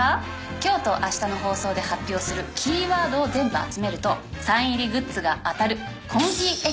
今日と明日の放送で発表するキーワードを全部集めるとサイン入りグッズが当たる。